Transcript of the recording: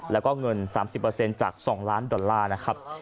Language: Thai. แล้วก็เงิน๓๐จาก๒ล้านดอลลาร์นะครับ